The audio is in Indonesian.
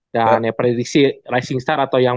dan ya prediksi rising star atau yang